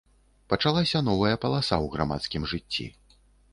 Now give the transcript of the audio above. Пачалася новая паласа ў грамадскім жыцці.